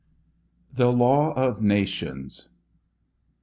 THE LAW OF NATIONS.